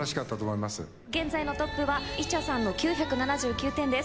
現在のトップはイチャさんの９７９点です。